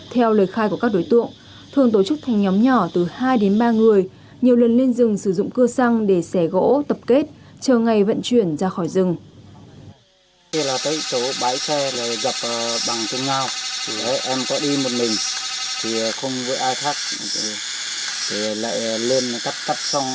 theo lời khai của các đối tượng thường tổ chức thành nhóm nhỏ từ hai ba người nhiều lần lên rừng sử dụng cưa xăng